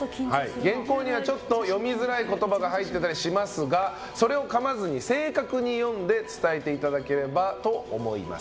原稿にはちょっと読みづらい言葉が入っていたりしますがそれをかまずに正確に読んで伝えていただければと思います。